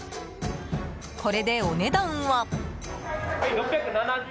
これで、お値段は。